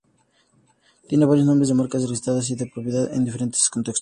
Tiene varios nombres de marcas registradas y de propiedad en diferentes contextos.